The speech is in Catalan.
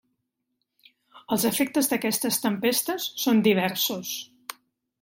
Els efectes d’aquestes tempestes són diversos.